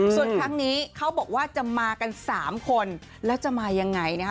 ส่วนครั้งนี้เขาบอกว่าจะมากัน๓คนแล้วจะมายังไงนะฮะ